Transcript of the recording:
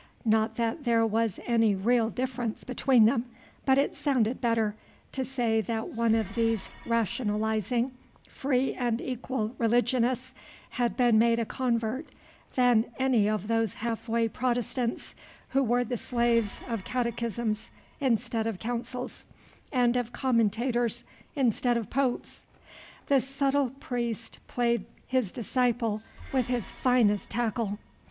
not that there was any real difference between them, but it sounded better, to say that one of these rationalizing free and equal religionists had been made a convert than any of those half way Protestants who were the slaves of catechisms instead of councils, and of commentators instead of popes. The subtle priest played his disciple with his finest tackle.